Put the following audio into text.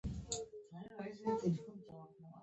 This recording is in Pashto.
زمری د ځنګل پاچا بلل کېږي.